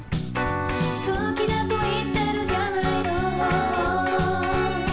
「好きだと言ってるじゃないのＨＯＨＯ」